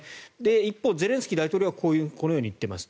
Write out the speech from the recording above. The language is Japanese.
一方、ゼレンスキー大統領はこのように言ってます。